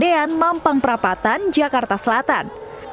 di kandian mampang prapatan jakarta selatan